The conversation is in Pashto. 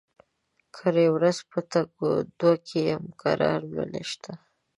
کرۍ ورځ په تګ و دو کې يم؛ کرار مې نشته.